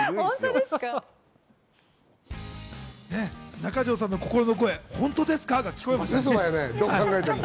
中条さんの心の声、本当ですかが聞こえましたね。